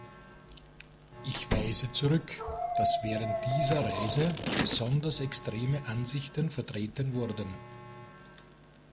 Ich weise zurück, dass während dieser Reise besonders extreme Ansichten vertreten wurden.